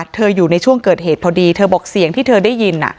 อยู่ในช่วงเกิดเหตุพอดีเธอบอกเสียงที่เธอได้ยิน